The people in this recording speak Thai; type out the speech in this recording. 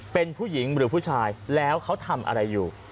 เป็นผู้หญิงหรือผู้ชายแล้วเขาทำอะไรอยู่